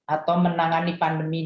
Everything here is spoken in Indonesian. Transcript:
atau menangani pandemi